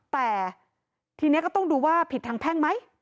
แต่ทีนี้ก็ต้องดูว่าผิดทางแพ่งไหม